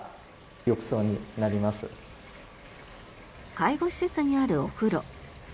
介護施設にあるお風呂。